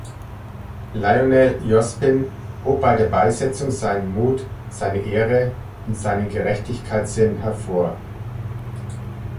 Lionel Jospin hob bei der Beisetzung seinen Mut, seine Ehre und seinen Gerechtigkeitssinn hervor.